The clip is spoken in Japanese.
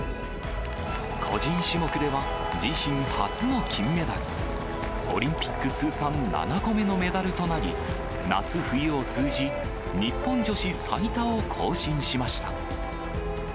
個人種目では自身初の金メダル。オリンピック通算７個目のメダルとなり、夏冬を通じ、日本女子最多を更新しました。